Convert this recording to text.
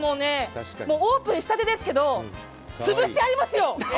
オープン仕立てですけど潰しますよ。